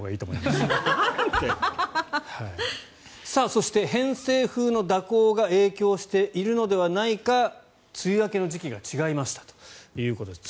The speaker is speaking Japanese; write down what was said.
そして偏西風の蛇行が影響しているのではないか梅雨明けの時期が違いましたということです。